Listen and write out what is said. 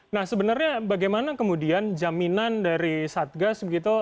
nah sebenarnya bagaimana kemudian jaminan dari satgas begitu